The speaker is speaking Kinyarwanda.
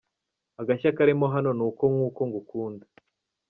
Agashya karimo hano ni uko nk’uko gukunda.